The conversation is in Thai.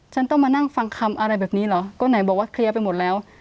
ฉันต้องมานั่งฟังคำอะไรแบบนี้เหรอก็ไหนบอกว่าเคลียร์ไปหมดแล้ว